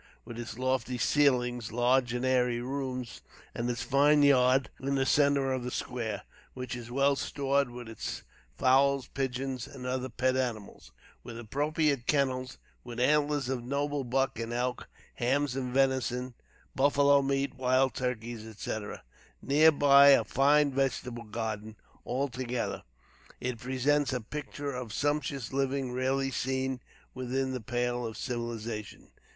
With its lofty ceilings, large and airy rooms, and its fine yard in the centre of the square, which is well stored with its fowls, pigeons, and other pet animals, with appropriate kennels; with antlers of noble buck and elk; hams of venison, buffalo meat, wild turkeys, etc., and near by a fine vegetable garden; altogether, it presents a picture of sumptuous living rarely seen within the pale of civilization.